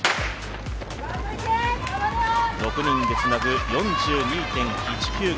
６人でつなぐ４２．１９５